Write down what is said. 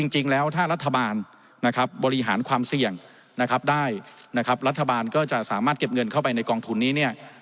จริงแล้วถ้ารัฐบาลบริหารความเสี่ยงได้รัฐบาลก็จะสามารถเก็บเงินเข้าไปในกองทุนนี้